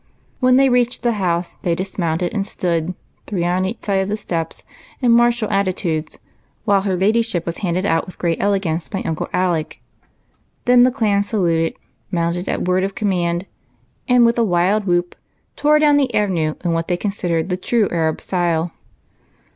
When they reached the house they dismounted, and stood, three on each side the steps, in martial attitudes, while her ladyship was handed out with great elegance by Uncle Alec. Then the clan saluted, mounted at word of command, and with a wild whoop tore down the avenue in what they considered the true Arab style.